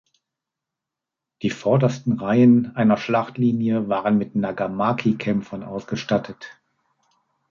Die vordersten Reihen einer Schlachtlinie waren mit Nagamaki-Kämpfern ausgestattet.